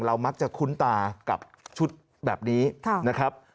มักจะคุ้นตากับชุดแบบนี้นะครับ